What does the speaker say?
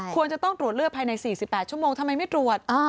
ควรจะต้องตรวจเลือดภายใน๔๘ชั่วโมงทำไมไม่ตรวจ